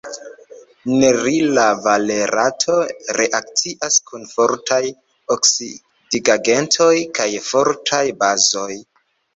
Nerila valerato reakcias kun fortaj oksidigagentoj kaj fortaj bazoj.